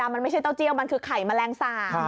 มันไม่ใช่เต้าเจียวมันคือไข่แมลงสาบ